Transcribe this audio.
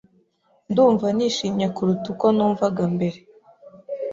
Ndumva nishimye kuruta uko numvaga mbere.